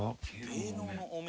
芸能のお面。